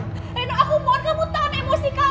tolong kembalikan senjata itu